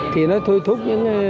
thì nó thôi thúc